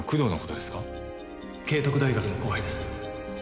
慶徳大学の後輩です。